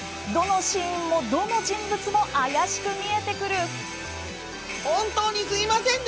どのシーンもどの人物も怪しく見えてくる。